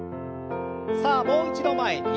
さあもう一度前に。